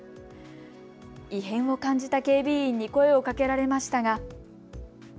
異変を感じた警備員に声をかけられましたが。